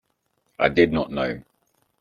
I did not know.